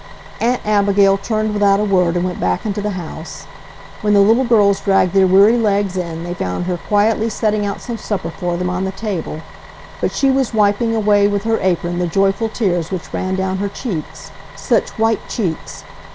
Aunt Abigail turned without a word and went back into the house. When the little girls dragged their weary legs in they found her quietly setting out some supper for them on the table, but she was wiping away with her apron the joyful tears which ran down her cheeks, such white cheeks!